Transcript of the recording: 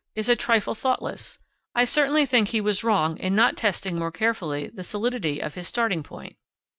is a trifle thoughtless. I certainly think he was wrong in not testing more carefully the solidity of his starting point.